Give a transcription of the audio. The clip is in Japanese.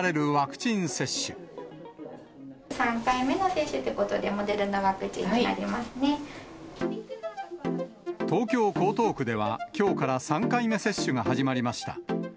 ３回目の接種ということで、東京・江東区では、きょうから３回目接種が始まりました。